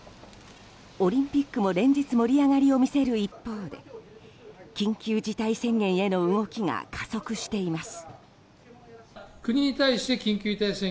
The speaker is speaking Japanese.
オリンピックも連日盛り上がりを見せる一方で緊急事態宣言への動きが加速しています。